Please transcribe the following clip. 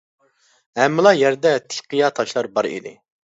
ھەممىلا يەردە تىك قىيا تاشلار بار ئىدى.